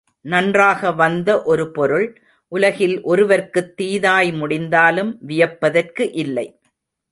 நன்றாக வந்த ஒரு பொருள், உலகில் ஒருவர்க்குத் தீதாய் முடிந்தாலும், வியப்பதற்கு இல்லை.